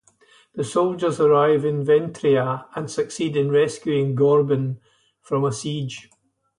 The soldiers arrive in Ventria and succeed in rescuing Gorben from a siege.